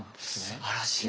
すばらしい！